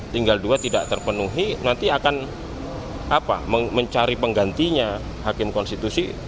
tinggal dua tidak terpenuhi nanti akan mencari penggantinya hakim konstitusi